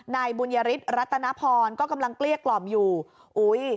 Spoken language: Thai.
นายบุญยฤทธิรัตนพรก็กำลังเกลี้ยกล่อมอยู่อุ้ย